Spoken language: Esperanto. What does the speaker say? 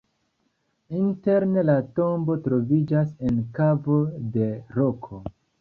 Interne la tombo troviĝas en kavo de roko.